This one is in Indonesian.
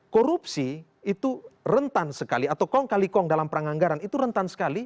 korupsi itu rentan sekali atau kong kali kong dalam perang anggaran itu rentan sekali